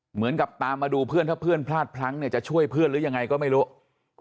เหมือนกับตามมาดูเพื่อนถ้าเพื่อนพลาดพลั้งเนี่ยจะช่วยเพื่อนหรือยังไงก็ไม่รู้